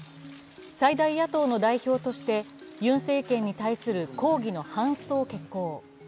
最大野党の代表としてユン政権に対する抗議のハンストを決行。